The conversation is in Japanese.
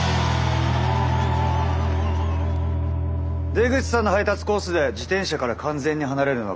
出口さんの配達コースで自転車から完全に離れるのはここだけだ。